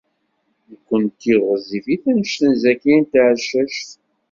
Nekkenti ur ɣezzifit anect n Zakiya n Tɛeccact.